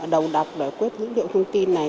đầu đọc và quyết dữ liệu thông tin này